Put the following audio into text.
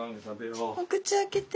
お口開けて。